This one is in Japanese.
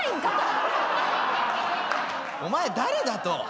お前誰だと。